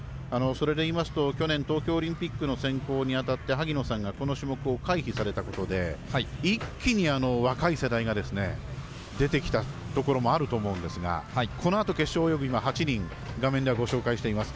それでいいますと去年東京オリンピックの選考にあたって、萩野さんがこの種目を回避されたことで一気に若い世代が出てきたところもあると思うんですがこのあと決勝を泳ぐ８人をご紹介しています。